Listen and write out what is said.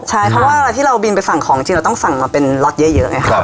ใช่เพราะว่าเวลาที่เราบินไปฝั่งของจริงเราต้องสั่งมาเป็นล็อตเยอะไงครับ